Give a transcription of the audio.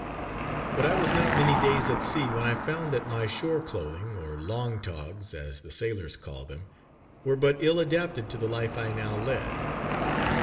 But I was not many days at sea, when I found that my shore clothing, or "long togs," as the sailors call them, were but ill adapted to the life I now led.